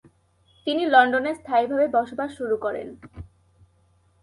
তিনি লন্ডনে স্থায়ীভাবে বসবাস শুরু করেন।